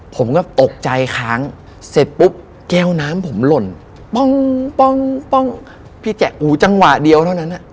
ผมก็ตกใจค้างเสร็จปุ๊บแก้วน้ำผมหล่นป้องป้องป้องพี่แจ๊คอูจังหวะเดียวเท่านั้นอ่ะ